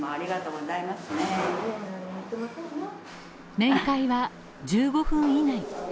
面会は１５分以内。